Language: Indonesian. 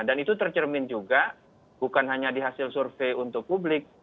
dan itu tercermin juga bukan hanya di hasil survei untuk publik